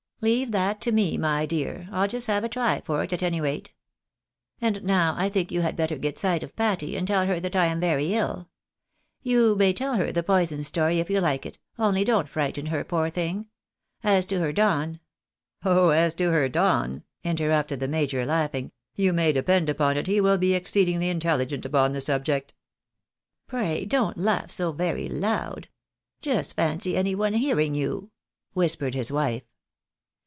" Leave that to me, my dear, I'll just have a try for it, at any rate. And now I thinls; you had better get sight of Patty, and tell her that I am very ill. You may tell her the poison story, if you like it, only don't frighten her, poor thing. As to her Don "" Oh, as to her Don," interrupted the major, laughing, " you may depend upon it he will be exceedingly inteUigent upon the subject." " Pray don't laugh so very loud. Just fancy any one hearing you !" whispered his wife.